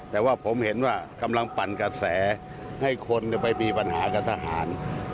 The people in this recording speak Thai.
แต่ว่าผมเห็นว่ากำลังปั่นกระแสให้คนไปมีปัญหากับทหาร